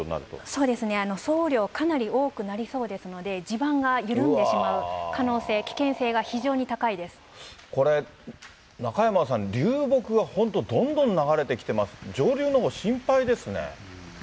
そうですね、総雨量、かなり多くなりそうですので、地盤が緩んでしまう可能性、これ、中山さん、流木が本当どんどん流れてきてます、上流のほう、心配ですね。